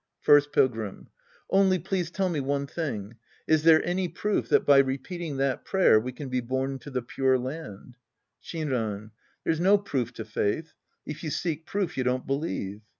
First Pilgrim. Only please tell me one thing. Is there any proof that by repeating that prayer we can be born into the Pure Land ? Shinran. There's no proof to faith. If you seek proof, you don't believe.